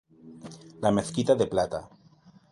La Mezquita de plata.